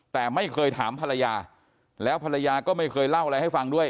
แต่ไม่เคยถามภรรยาแล้วภรรยาก็ไม่เคยเล่าอะไรให้ฟังด้วย